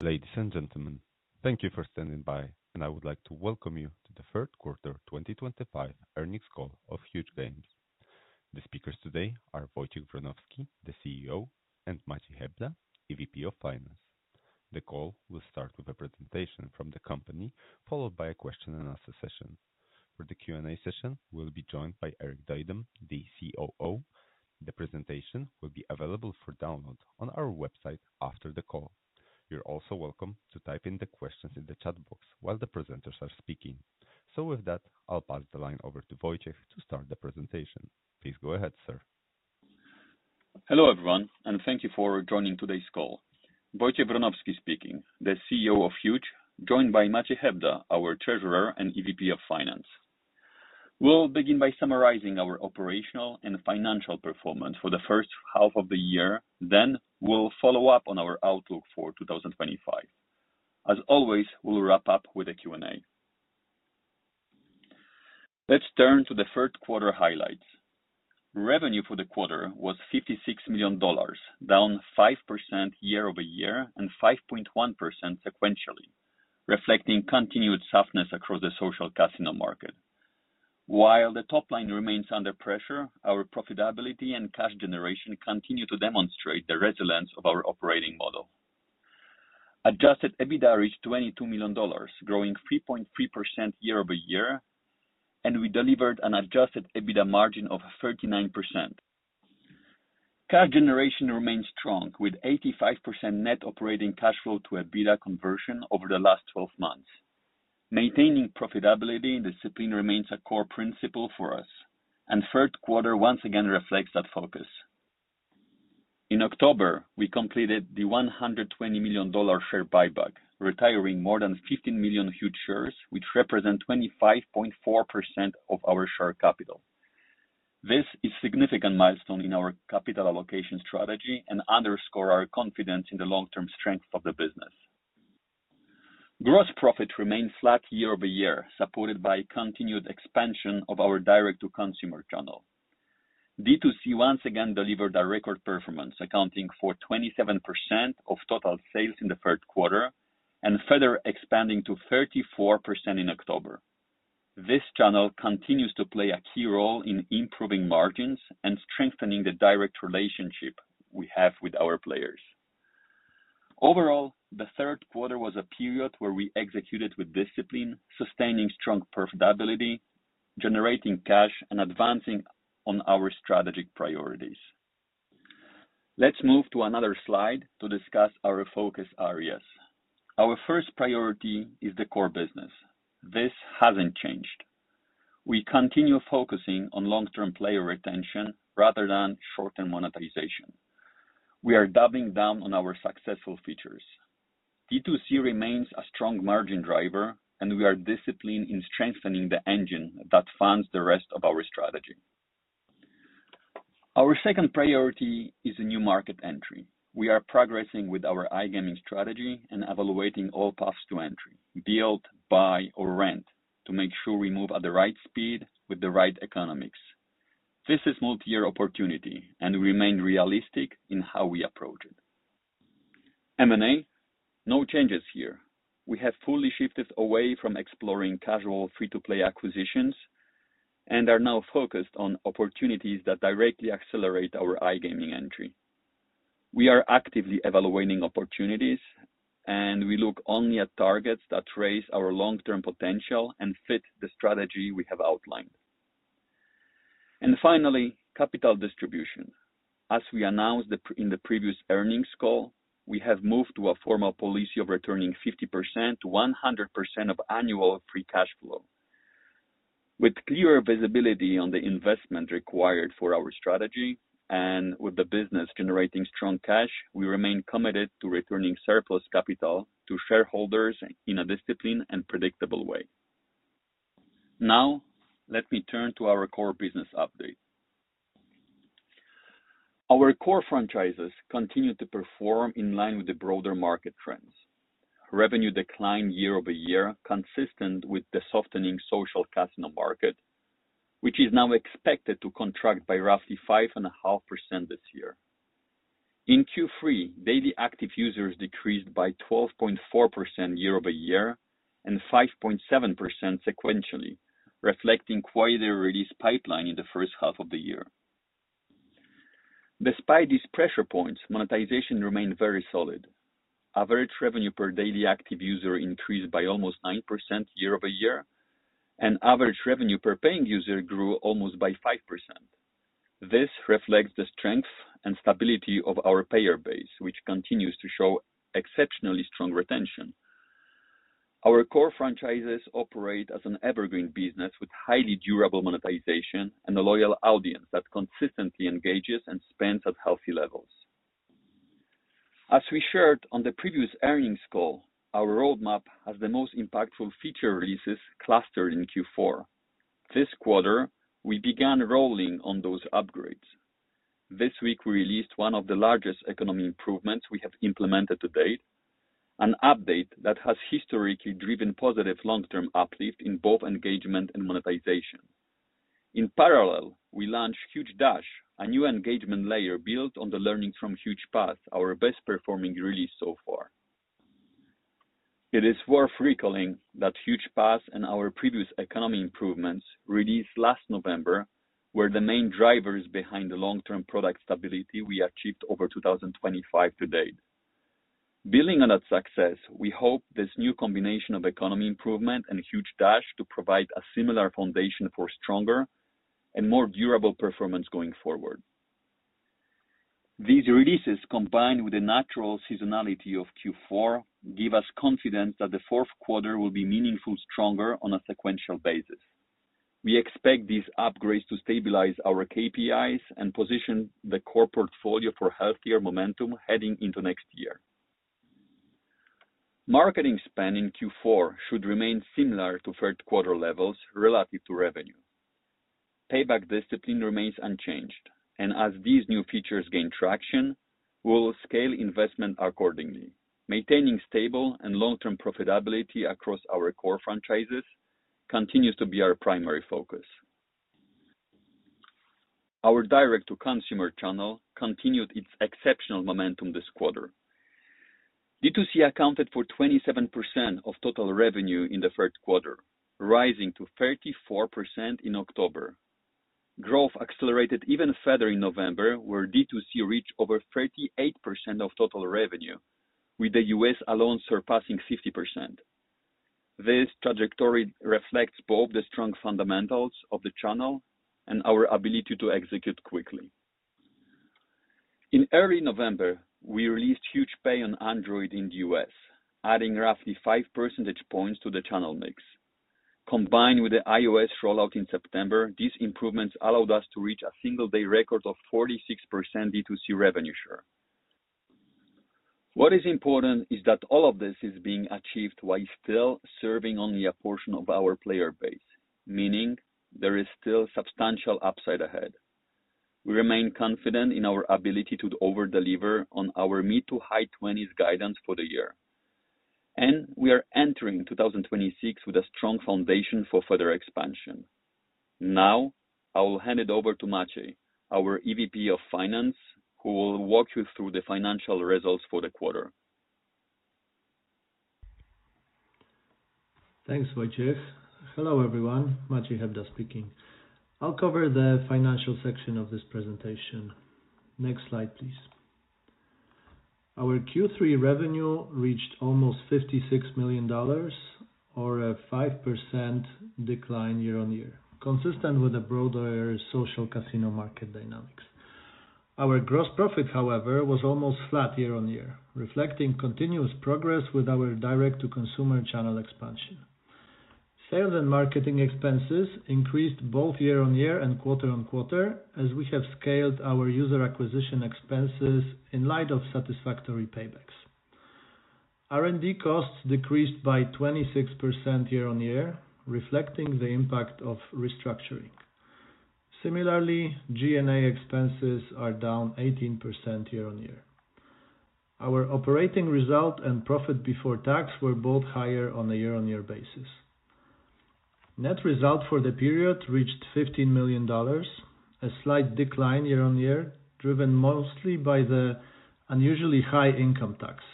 Ladies and gentlemen, thank you for standing by, and I would like to welcome you to the third quarter 2025 earnings call of Huuuge Games. The speakers today are Wojciech Wronowski, the CEO, and Maciej Hebda, EVP of Finance. The call will start with a presentation from the company, followed by a question-and-answer session. For the Q&A session, we'll be joined by Erik Duindam, the COO. The presentation will be available for download on our website after the call. You're also welcome to type in the questions in the chat box while the presenters are speaking. With that, I'll pass the line over to Wojciech to start the presentation. Please go ahead, sir. Hello everyone, and thank you for joining today's call. Wojciech Wronowski speaking, the CEO of Huuuge, joined by Maciej Hebda, our Treasurer and EVP of Finance. We'll begin by summarizing our operational and financial performance for the first half of the year, then we'll follow up on our outlook for 2025. As always, we'll wrap up with a Q&A. Let's turn to the third quarter highlights. Revenue for the quarter was $56 million, down 5% year-over-year and 5.1% sequentially, reflecting continued softness across the social casino market. While the top line remains under pressure, our profitability and cash generation continue to demonstrate the resilience of our operating model. Adjusted EBITDA reached $22 million, growing 3.3% year-over-year, and we delivered an adjusted EBITDA margin of 39%. Cash generation remains strong, with 85% net operating cash flow to EBITDA conversion over the last 12 months. Maintaining profitability in the discipline remains a core principle for us, and third quarter once again reflects that focus. In October, we completed the $120 million share buyback, retiring more than 15 million Huuuge shares, which represent 25.4% of our share capital. This is a significant milestone in our capital allocation strategy and underscores our confidence in the long-term strength of the business. Gross profit remains flat year-over-year, supported by continued expansion of our direct to consumer channel. D2C once again delivered a record performance, accounting for 27% of total sales in the third quarter and further expanding to 34% in October. This channel continues to play a key role in improving margins and strengthening the direct relationship we have with our players. Overall, the third quarter was a period where we executed with discipline, sustaining strong profitability, generating cash, and advancing on our strategic priorities. Let's move to another slide to discuss our focus areas. Our first priority is the core business. This hasn't changed. We continue focusing on long-term player retention rather than short-term monetization. We are doubling down on our successful features. D2C remains a strong margin driver, and we are disciplined in strengthening the engine that funds the rest of our strategy. Our second priority is a new market entry. We are progressing with our iGaming strategy and evaluating all paths to entry, build, buy, or rent to make sure we move at the right speed with the right economics. This is a multi-year opportunity, and we remain realistic in how we approach it. M&A? No changes here. We have fully shifted away from exploring casual free to play acquisitions and are now focused on opportunities that directly accelerate our iGaming entry. We are actively evaluating opportunities, and we look only at targets that raise our long-term potential and fit the strategy we have outlined. Finally, capital distribution. As we announced in the previous earnings call, we have moved to a formal policy of returning 50%-100% of annual free cash flow. With clear visibility on the investment required for our strategy and with the business generating strong cash, we remain committed to returning surplus capital to shareholders in a disciplined and predictable way. Now, let me turn to our core business update. Our core franchises continue to perform in line with the broader market trends. Revenue declined year-over-year, consistent with the softening social casino market, which is now expected to contract by roughly 5.5% this year. In Q3, daily active users decreased by 12.4% year-over-year and 5.7% sequentially, reflecting quite a release pipeline in the first half of the year. Despite these pressure points, monetization remained very solid. Average revenue per daily active user increased by almost 9% year-over-year, and average revenue per paying user grew almost by 5%. This reflects the strength and stability of our payer base, which continues to show exceptionally strong retention. Our core franchises operate as an evergreen business with highly durable monetization and a loyal audience that consistently engages and spends at healthy levels. As we shared on the previous earnings call, our roadmap has the most impactful feature releases clustered in Q4. This quarter, we began rolling on those upgrades. This week, we released one of the largest economy improvements we have implemented to date, an update that has historically driven positive long-term uplift in both engagement and monetization. In parallel, we launched Huuuge Dash, a new engagement layer built on the learnings from Huuuge Pass, our best-performing release so far. It is worth recalling that Huuuge Pass and our previous economy improvements released last November were the main drivers behind the long-term product stability we achieved over 2025 to date. Building on that success, we hope this new combination of economy improvement and Huuuge Dash to provide a similar foundation for stronger and more durable performance going forward. These releases, combined with the natural seasonality of Q4, give us confidence that the fourth quarter will be meaningfully stronger on a sequential basis. We expect these upgrades to stabilize our KPIs and position the core portfolio for healthier momentum heading into next year. Marketing spend in Q4 should remain similar to third quarter levels relative to revenue. Payback discipline remains unchanged, and as these new features gain traction, we'll scale investment accordingly. Maintaining stable and long-term profitability across our core franchises continues to be our primary focus. Our direct-to-consumer channel continued its exceptional momentum this quarter. D2C accounted for 27% of total revenue in the third quarter, rising to 34% in October. Growth accelerated even further in November, where D2C reached over 38% of total revenue, with the U.S. alone surpassing 50%. This trajectory reflects both the strong fundamentals of the channel and our ability to execute quickly. In early November, we released Huuuge Pay on Android in the U.S, adding roughly 5 percentage points to the channel mix. Combined with the iOS rollout in September, these improvements allowed us to reach a single-day record of 46% D2C revenue share. What is important is that all of this is being achieved while still serving only a portion of our player base, meaning there is still substantial upside ahead. We remain confident in our ability to overdeliver on our mid to high 20s guidance for the year, and we are entering 2026 with a strong foundation for further expansion. Now, I will hand it over to Maciej, our EVP of Finance, who will walk you through the financial results for the quarter. Thanks, Wojciech. Hello everyone, Maciej Hebda speaking. I'll cover the financial section of this presentation. Next slide, please. Our Q3 revenue reached almost $56 million, or a 5% decline year-on-year, consistent with the broader social casino market dynamics. Our gross profit, however, was almost flat year-on-year, reflecting continuous progress with our direct-to-consumer channel expansion. Sales and marketing expenses increased both year-on-year and quarter-on-quarter as we have scaled our user acquisition expenses in light of satisfactory paybacks. R&D costs decreased by 26% year-on -year, reflecting the impact of restructuring. Similarly, G&A expenses are down 18% year-on-year. Our operating result and profit before tax were both higher on a year-on-year basis. Net result for the period reached $15 million, a slight decline year-on-year, driven mostly by the unusually high income tax,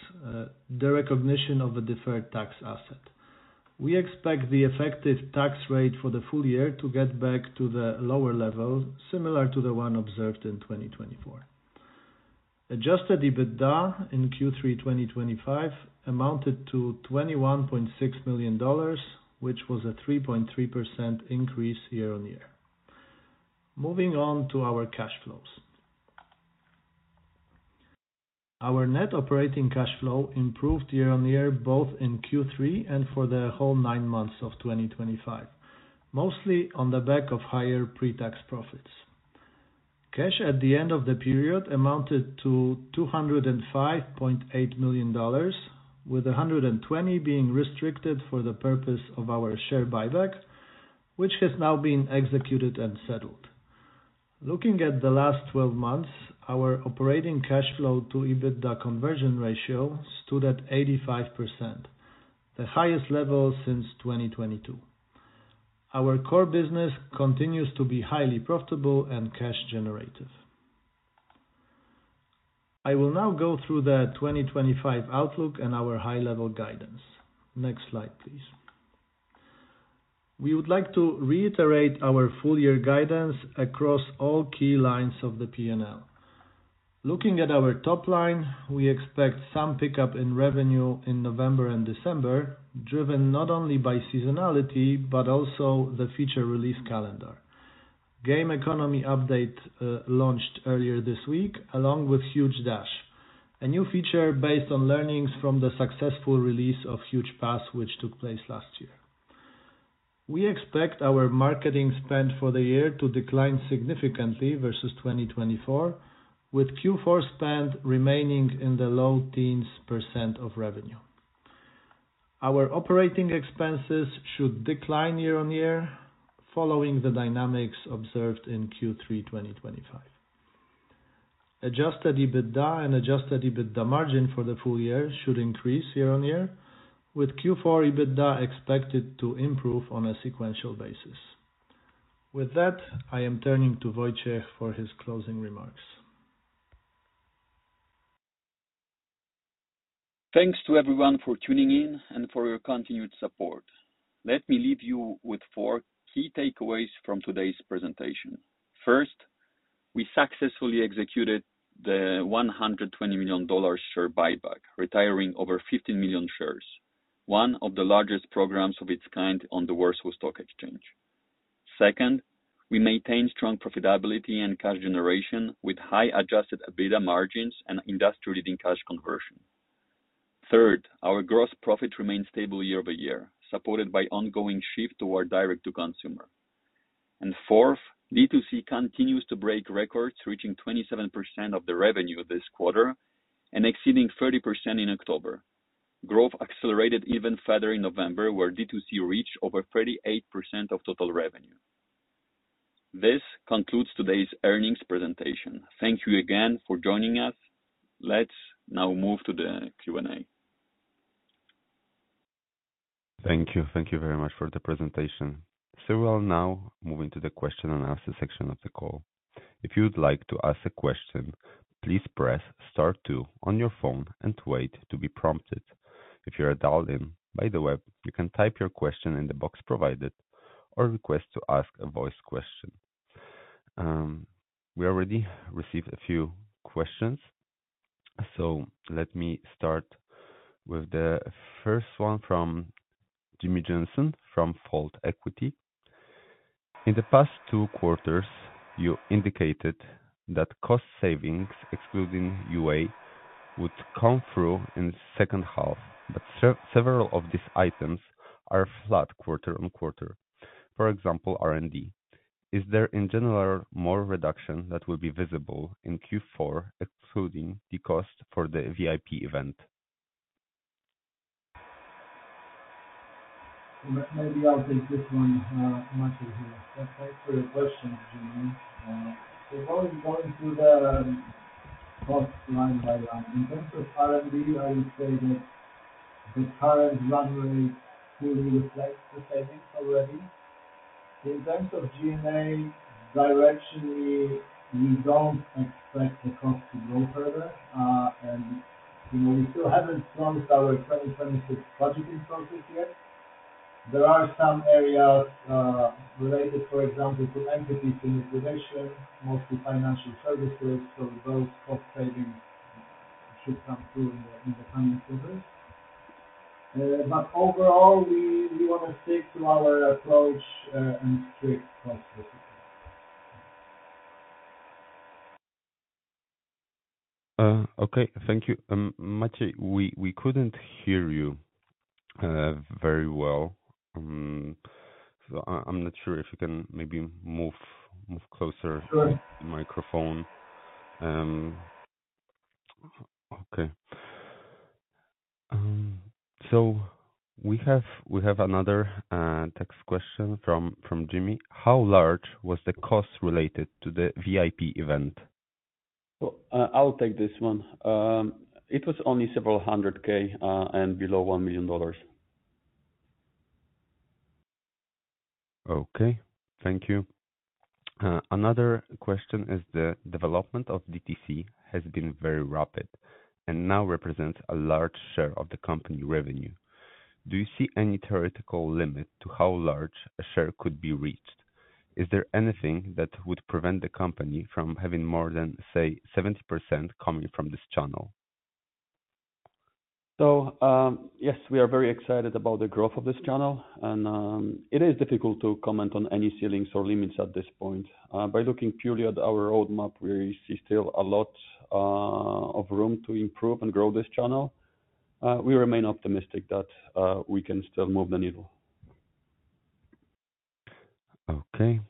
the recognition of a deferred tax asset. We expect the effective tax rate for the full year to get back to the lower level, similar to the one observed in 2024. Adjusted EBITDA in Q3 2025 amounted to $21.6 million, which was a 3.3% increase year-on-year. Moving on to our cash flows. Our net operating cash flow improved year-on-year both in Q3 and for the whole nine months of 2025, mostly on the back of higher pre-tax profits. Cash at the end of the period amounted to $205.8 million, with $120 million being restricted for the purpose of our share buyback, which has now been executed and settled. Looking at the last 12 months, our operating cash flow to EBITDA conversion ratio stood at 85%, the highest level since 2022. Our core business continues to be highly profitable and cash-generative. I will now go through the 2025 outlook and our high-level guidance. Next slide, please. We would like to reiterate our full-year guidance across all key lines of the P&L. Looking at our top line, we expect some pick up in revenue in November and December, driven not only by seasonality but also the feature release calendar. Game economy update launched earlier this week along with Huuuge Dash, a new feature based on learnings from the successful release of Huuuge Pass, which took place last year. We expect our marketing spend for the year to decline significantly versus 2024, with Q4 spend remaining in the low-teens % of revenue. Our operating expenses should decline year-on-year following the dynamics observed in Q3 2025. Adjusted EBITDA and adjusted EBITDA margin for the full year should increase year-on-year, with Q4 EBITDA expected to improve on a sequential basis. With that, I am turning to Wojciech for his closing remarks. Thanks to everyone for tuning in and for your continued support. Let me leave you with four key takeaways from today's presentation. First, we successfully executed the $120 million share buyback, retiring over $15 million shares, one of the largest programs of its kind on the Warsaw Stock Exchange. Second, we maintained strong profitability and cash generation with high adjusted EBITDA margins and industry-leading cash conversion. Third, our gross profit remained stable year-over-year, supported by ongoing shift toward direct-to-consumer. Fourth, D2C continues to break records, reaching 27% of the revenue this quarter and exceeding 30% in October. Growth accelerated even further in November, where D2C reached over 38% of total revenue. This concludes today's earnings presentation. Thank you again for joining us. Let's now move to the Q&A. Thank you. Thank you very much for the presentation. We will now move into the question and answer section of the call. If you would like to ask a question, please press star two on your phone and wait to be prompted. If you are a dialed in, by the way, you can type your question in the box provided or request to ask a voice question. We already received a few questions, so let me start with the first one from Jimmy Johnson from Fault Equity. In the past two quarters, you indicated that cost savings, excluding UA, would come through in the second half, but several of these items are flat quarter on quarter. For example, R&D. Is there, in general, more reduction that will be visible in Q4, excluding the cost for the VIP event? Maybe I'll take this one, Maciej here. That's my quick question, Jimmy. Going through the cost line by line, in terms of R&D, I would say that the current run-rate fully reflects the savings already. In terms of G&A, directionally, we don't expect the cost to grow further, and we still haven't closed our 2026 budgeting process yet. There are some areas related, for example, to entities in the division, mostly financial services, so those cost savings should come through in the coming quarters. Overall, we want to stick to our approach and strict cost. Okay, thank you. Maciej, we couldn't hear you very well, so I'm not sure if you can maybe move closer to the microphone. Okay. We have another text question from Jimmy. How large was the cost related to the VIP event? I'll take this one. It was only several hundred K and below $1 million. Okay, thank you. Another question is the development of D2C has been very rapid and now represents a large share of the company revenue. Do you see any theoretical limit to how large a share could be reached? Is there anything that would prevent the company from having more than, say, 70% coming from this channel? Yes, we are very excited about the growth of this channel, and it is difficult to comment on any ceilings or limits at this point. By looking purely at our roadmap, we see still a lot of room to improve and grow this channel. We remain optimistic that we can still move the needle. Okay,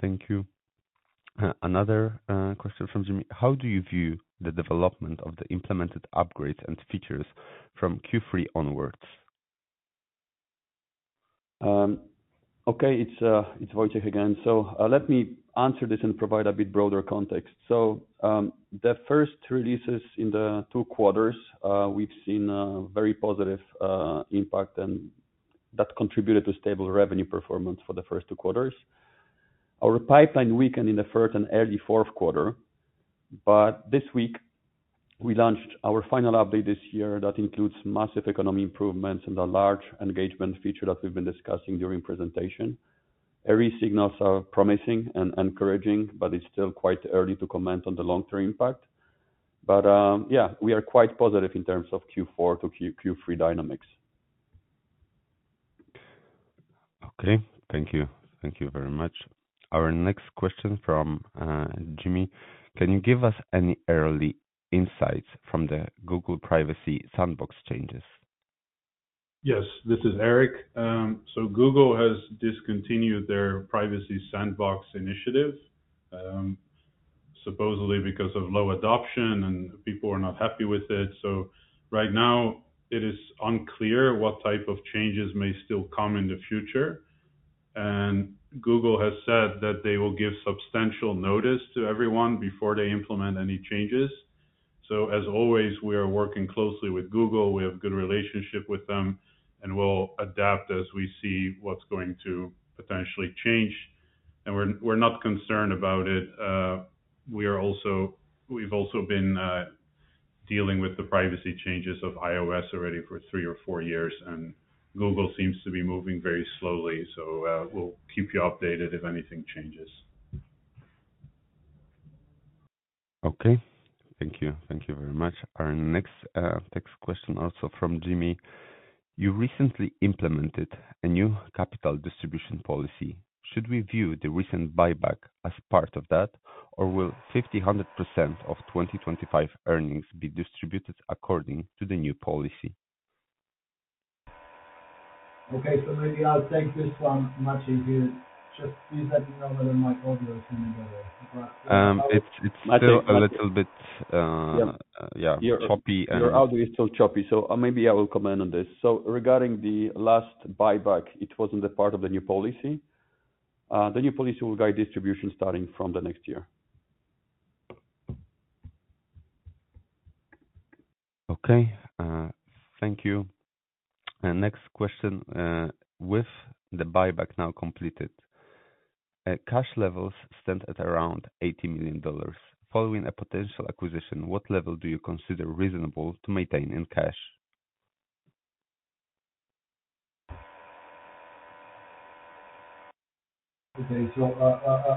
thank you. Another question from Jimmy. How do you view the development of the implemented upgrades and features from Q3 onwards? Okay, it's Wojciech again. Let me answer this and provide a bit broader context. The first releases in the two quarters, we've seen a very positive impact, and that contributed to stable revenue performance for the first two quarters. Our pipeline weakened in the third and early fourth quarter, but this week, we launched our final update this year that includes massive economy improvements and a large engagement feature that we've been discussing during the presentation. Early signals are promising and encouraging, but it's still quite early to comment on the long-term impact. Yeah, we are quite positive in terms of Q4 to Q3 dynamics. Okay, thank you. Thank you very much. Our next question from Jimmy. Can you give us any early insights from the Google privacy sandbox changes? Yes, this is Erik. Google has discontinued their privacy sandbox initiative, supposedly because of low adoption, and people are not happy with it. Right now, it is unclear what type of changes may still come in the future. Google has said that they will give substantial notice to everyone before they implement any changes. As always, we are working closely with Google. We have a good relationship with them, and we'll adapt as we see what's going to potentially change. We're not concerned about it. We've also been dealing with the privacy changes of iOS already for three or four years, and Google seems to be moving very slowly. We'll keep you updated if anything changes. Okay, thank you. Thank you very much. Our next text question also from Jimmy. You recently implemented a new capital distribution policy. Should we view the recent buyback as part of that, or will 50%-100% of 2025 earnings be distributed according to the new policy? Okay, maybe I'll take this one, Maciej here. Just please let me know whether my audio is coming better. It's still a little bit, yeah, choppy. Your audio is still choppy, so maybe I will comment on this. Regarding the last buyback, it was not a part of the new policy. The new policy will guide distribution starting from the next year. Okay, thank you. Next question. With the buyback now completed, cash levels stand at around $80 million. Following a potential acquisition, what level do you consider reasonable to maintain in cash? Okay,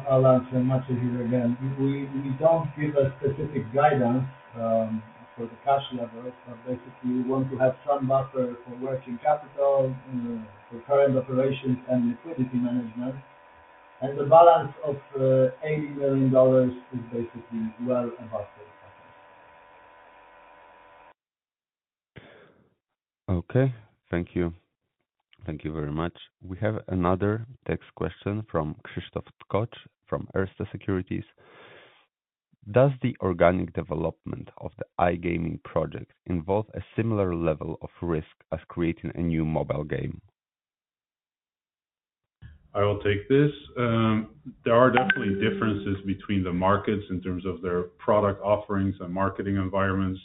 I'll answer. Maciej here again. We don't give a specific guidance for the cash levels. Basically, we want to have some buffer for working capital, for current operations, and liquidity management. The balance of $80 million is basically well above the buffer. Okay, thank you. Thank you very much. We have another text question from Krzysztof Tkocz from Erste Securities. Does the organic development of the iGaming project involve a similar level of risk as creating a new mobile game? I will take this. There are definitely differences between the markets in terms of their product offerings and marketing environments.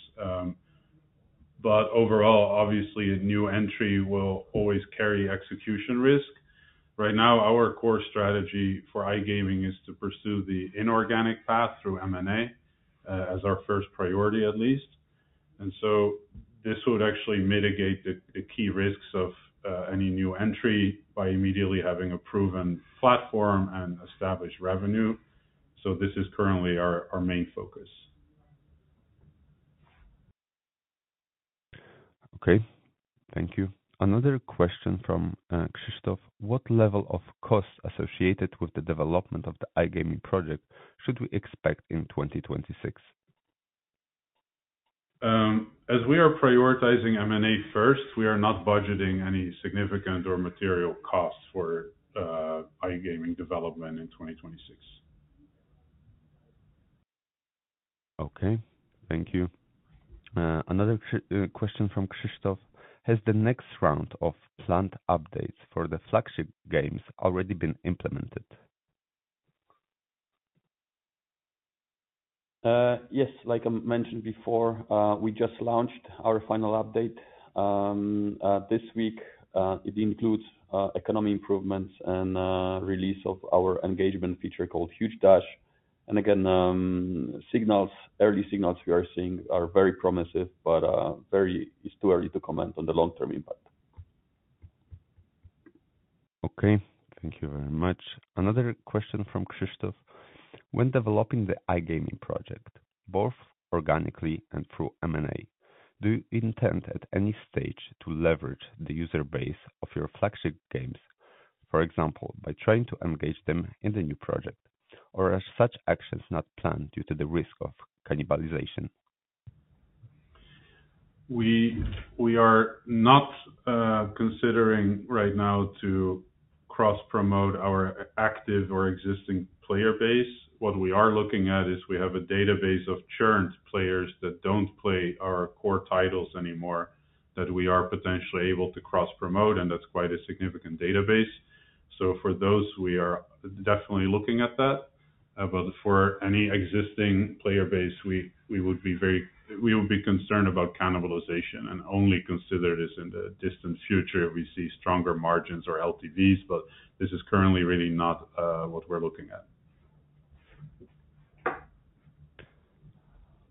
Overall, obviously, a new entry will always carry execution risk. Right now, our core strategy for iGaming is to pursue the inorganic path through M&A as our first priority, at least. This would actually mitigate the key risks of any new entry by immediately having a proven platform and established revenue. This is currently our main focus. Okay, thank you. Another question from Krzysztof. What level of cost associated with the development of the iGaming project should we expect in 2026? As we are prioritizing M&A first, we are not budgeting any significant or material costs for iGaming development in 2026. Okay, thank you. Another question from Krzysztof. Has the next round of planned updates for the flagship games already been implemented? Yes, like I mentioned before, we just launched our final update this week. It includes economy improvements and release of our engagement feature called Huuuge Dash. Again, early signals we are seeing are very promising, but it's too early to comment on the long-term impact. Okay, thank you very much. Another question from Krzysztof. When developing the iGaming project, both organically and through M&A, do you intend at any stage to leverage the user base of your flagship games, for example, by trying to engage them in the new project, or are such actions not planned due to the risk of cannibalization? We are not considering right now to cross-promote our active or existing player base. What we are looking at is we have a database of churned players that do not play our core titles anymore that we are potentially able to cross-promote, and that is quite a significant database. For those, we are definitely looking at that. For any existing player base, we would be concerned about cannibalization and only consider this in the distant future if we see stronger margins or LTVs, but this is currently really not what we are looking at.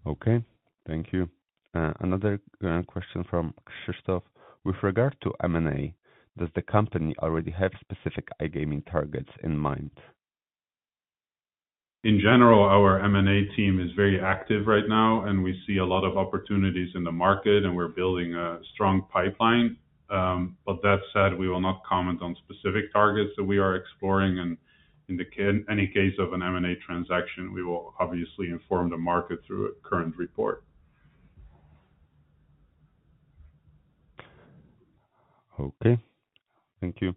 Okay, thank you. Another question from Krzysztof. With regard to M&A, does the company already have specific iGaming targets in mind? In general, our M&A team is very active right now, and we see a lot of opportunities in the market, and we are building a strong pipeline. That said, we will not comment on specific targets that we are exploring. In any case of an M&A transaction, we will obviously inform the market through a current report. Okay, thank you.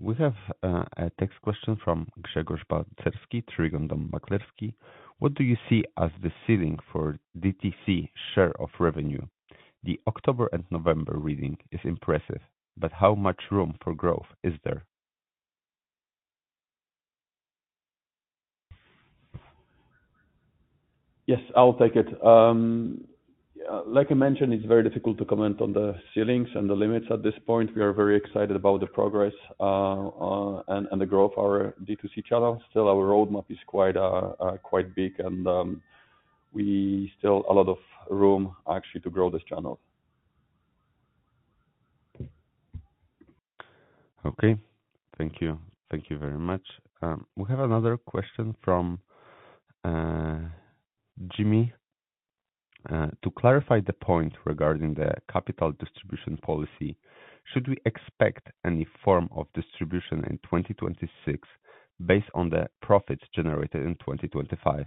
We have a text question from Grzegorz Balcerski, Trygon Dom Maklerski. What do you see as the ceiling for D2C share of revenue? The October and November reading is impressive, but how much room for growth is there? Yes, I'll take it. Like I mentioned, it's very difficult to comment on the ceilings and the limits at this point. We are very excited about the progress and the growth of our D2C channel. Still, our roadmap is quite big, and we still have a lot of room, actually, to grow this channel. Okay, thank you. Thank you very much. We have another question from Jimmy. To clarify the point regarding the capital distribution policy, should we expect any form of distribution in 2026 based on the profits generated in 2025?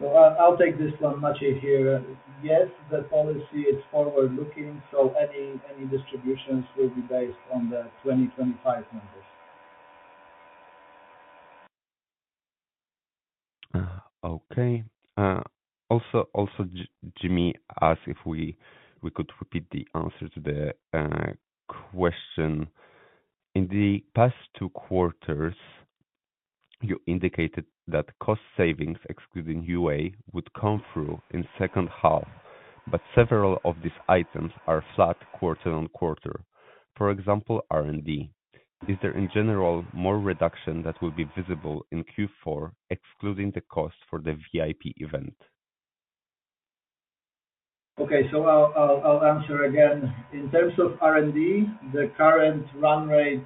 I'll take this one, Maciej here. Yes, the policy is forward-looking, so any distributions will be based on the 2025 numbers. Okay. Also, Jimmy asked if we could repeat the answer to the question. In the past two quarters, you indicated that cost savings, excluding UA, would come through in the second half, but several of these items are flat quarter on quarter. For example, R&D. Is there, in general, more reduction that will be visible in Q4, excluding the cost for the VIP event? Okay, so I'll answer again. In terms of R&D, the current run-rate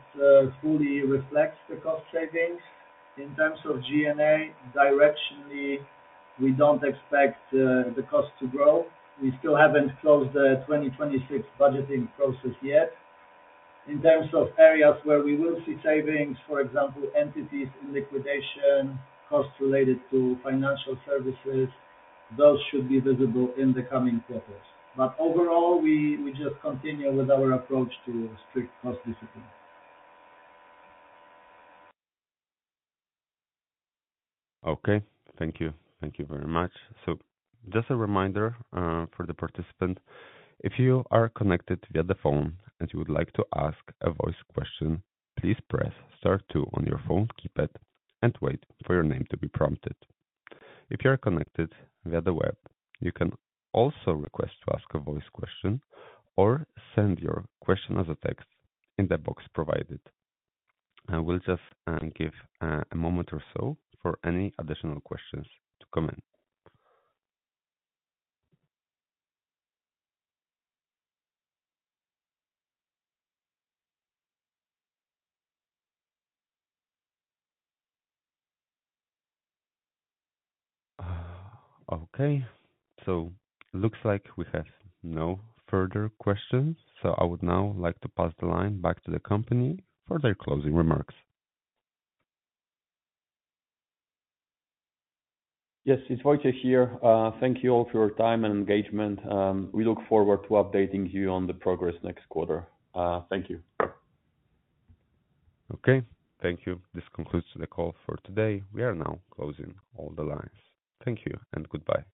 fully reflects the cost savings. In terms of G&A, directionally, we don't expect the cost to grow. We still haven't closed the 2026 budgeting process yet. In terms of areas where we will see savings, for example, entities in liquidation, costs related to financial services, those should be visible in the coming quarters. Overall, we just continue with our approach to strict cost discipline. Okay, thank you. Thank you very much. Just a reminder for the participant. If you are connected via the phone and you would like to ask a voice question, please press star two on your phone keypad and wait for your name to be prompted. If you are connected via the web, you can also request to ask a voice question or send your question as a text in the box provided. I will just give a moment or so for any additional questions to comment. Okay, it looks like we have no further questions, so I would now like to pass the line back to the company for their closing remarks. Yes, it's Wojciech here. Thank you all for your time and engagement. We look forward to updating you on the progress next quarter. Thank you. Okay, thank you. This concludes the call for today. We are now closing all the lines. Thank you and goodbye.